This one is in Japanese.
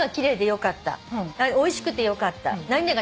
おいしくてよかった。